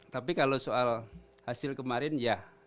tapi kalau soal hasil kemarin ya